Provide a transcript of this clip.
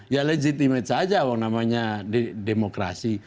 ya legitimate saja namanya demokrasi